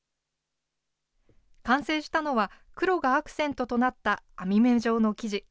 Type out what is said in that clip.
完成したのは、黒がアクセントとなった網目状の生地。